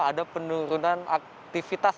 ada penurunan aktivitas